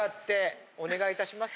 お願いいたします。